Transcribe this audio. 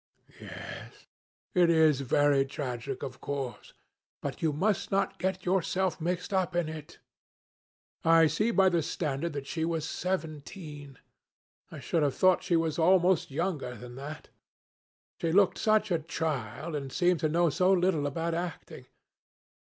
"Yes; it is very tragic, of course, but you must not get yourself mixed up in it. I see by The Standard that she was seventeen. I should have thought she was almost younger than that. She looked such a child, and seemed to know so little about acting.